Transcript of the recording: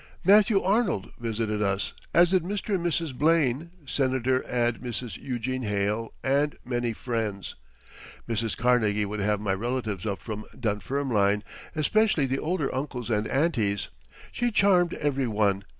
Matthew Arnold visited us, as did Mr. and Mrs. Blaine, Senator and Mrs. Eugene Hale, and many friends. Mrs. Carnegie would have my relatives up from Dunfermline, especially the older uncles and aunties. She charmed every one.